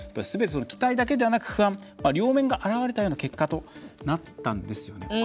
すべて、期待だけではなく不安両面が表れたような結果となったんですよね。